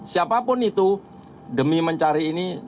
siapapun itu demi mencari ini